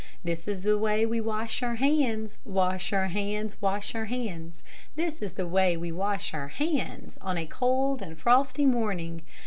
This is the way we wash our hands, Wash our hands, wash our hands, This is the way we wash our hands, On a cold and frosty morning.